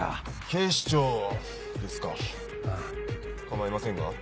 構いませんが。